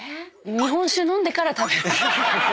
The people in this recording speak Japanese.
日本酒飲んでから食べる。